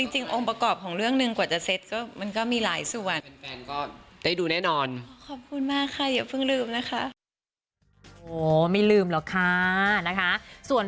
จริงองค์ประกอบของเรื่องหนึ่งกว่าจะเซ็ตก็มันก็มีหลายส่วน